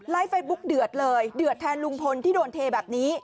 เฟซบุ๊กเดือดเลยเดือดแทนลุงพลที่โดนเทแบบนี้